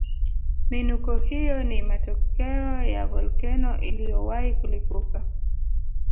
Miinuko hiyo ni matokeo ya volkeno iliyowahi kulipuka